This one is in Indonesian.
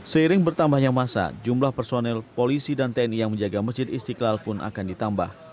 seiring bertambahnya masa jumlah personel polisi dan tni yang menjaga masjid istiqlal pun akan ditambah